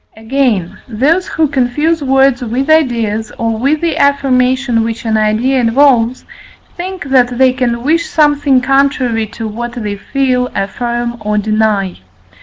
Again, those who confuse words with ideas, or with the affirmation which an idea involves, think that they can wish something contrary to what they feel, affirm, or deny.